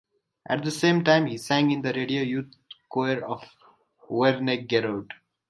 At the same time he sang in the radio youth choir of Wernigerode.